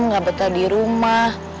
gak betah di rumah